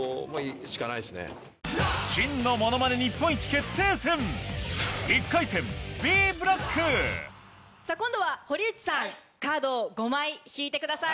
真のものまね日本一決定戦１回戦Ｂブロック今度は堀内さんカードを５枚引いてください。